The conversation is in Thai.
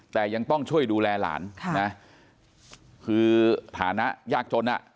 แต่ยังต้องช่วยดูแลหลานค่ะนะคือฐานะยากจนอ่ะ